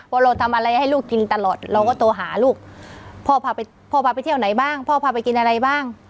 ว่าเราทำอะไรให้ลูกกินตลอดเราก็โทรหาลูกพ่อพาไปพ่อพาไปเที่ยวไหนบ้างพ่อพาไปกินอะไรบ้าง